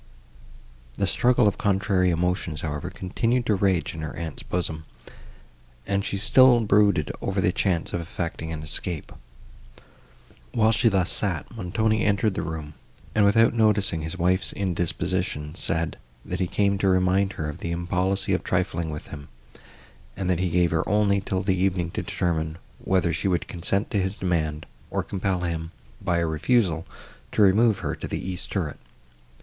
The struggle of contrary emotions, however, continued to rage in her aunt's bosom, and she still brooded over the chance of effecting an escape. While she thus sat, Montoni entered the room, and, without noticing his wife's indisposition, said, that he came to remind her of the impolicy of trifling with him, and that he gave her only till the evening to determine, whether she would consent to his demand, or compel him, by a refusal, to remove her to the east turret.